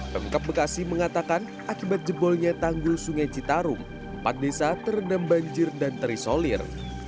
pemkap bekasi mengatakan akibat jebolnya tanggul sungai citarum empat desa terendam banjir dan terisolir